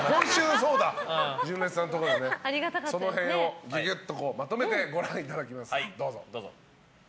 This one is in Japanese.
その辺をぎゅぎゅっとまとめてご覧いただきます、どうぞ。